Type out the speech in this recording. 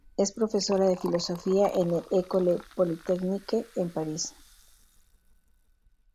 Es profesora de filosofía en el École Polytechnique en París.